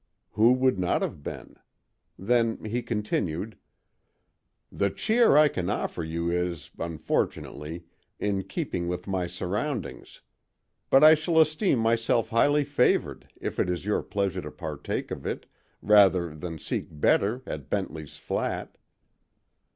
Who would not have been? Then he continued: "The cheer I can offer you is, unfortunately, in keeping with my surroundings; but I shall esteem myself highly favored if it is your pleasure to partake of it, rather than seek better at Bentley's Flat."